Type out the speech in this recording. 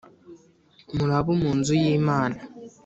muri abo mu nzu y Imana